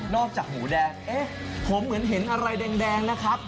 จากหมูแดงเอ๊ะผมเหมือนเห็นอะไรแดงนะครับ